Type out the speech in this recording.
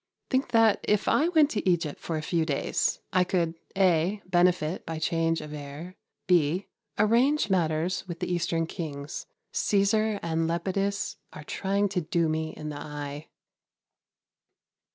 Think that if I went to Egypt for a few days I could (a) benefit by change of air, (b) arrange matters with the Eastern Kings. Cæsar and Lepidus are trying to do me in the eye.